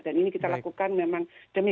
ini kita lakukan memang demi